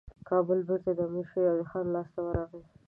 کابل بیرته د امیر شېرعلي خان لاسته ورغی.